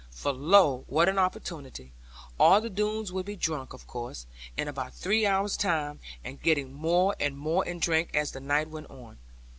For lo, what an opportunity! All the Doones would be drunk, of course, in about three hours' time, and getting more and more in drink as the night went on.